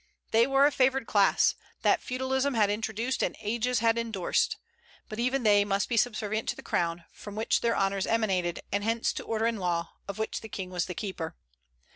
They were a favored class, that feudalism had introduced and ages had indorsed; but even they must be subservient to the crown, from which their honors emanated, and hence to order and law, of which the king was the keeper.